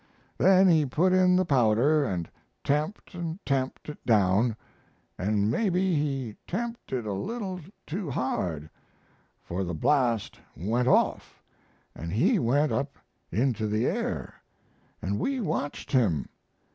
Then he put in the powder and tamped and tamped it down, but maybe he tamped it a little too hard, for the blast went off and he went up into the air, and we watched him.